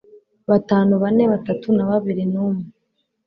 Batanu bane batatu na babiri na umwe